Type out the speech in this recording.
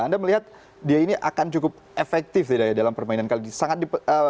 anda melihat dia ini akan cukup efektif tidak ya dalam permainan kali ini